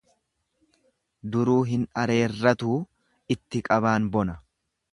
Duruu hin areerratuu itti qabaan bona.